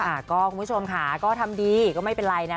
อ๋อนี่แหละค่ะก็คุณผู้ชมค่ะก็ทำดีก็ไม่เป็นไรนะ